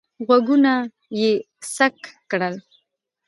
غوږونه یې څک کړل.